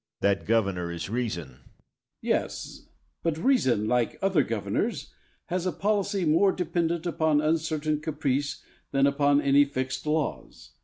That governor is reason. Bayle. Yes; but reason, like other governors, has a policy more dependent upon uncertain caprice than upon any fixed laws.